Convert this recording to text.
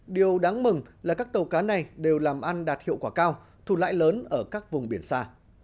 điều đáng mừng là các tàu cá này đều làm ăn đạt hiệu quả cao thu lại lớn ở các vùng biển xa